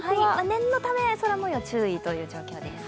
念のため空もよう注意という状況です。